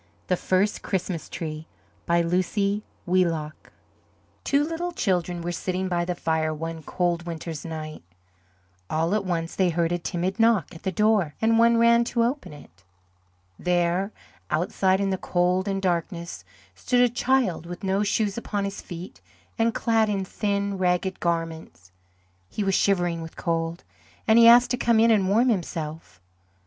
THE FIRST CHRISTMAS TREE BY LUCY WHEELOCK Two little children were sitting by the fire one cold winter's night. All at once they heard a timid knock at the door and one ran to open it. There, outside in the cold and darkness, stood a child with no shoes upon his feet and clad in thin, ragged garments. He was shivering with cold, and he asked to come in and warm himself.